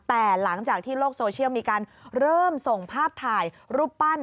แต่หลังจากที่โลกโซเชียลมีการเริ่มส่งภาพถ่ายรูปปั้น